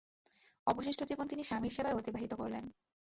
অবশিষ্ট জীবন তিনি স্বামীর সেবায় অতিবাহিত করিলেন।